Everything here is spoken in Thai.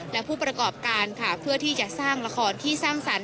และผู้ประกอบการค่ะเพื่อที่จะสร้างละครที่สร้างสรรค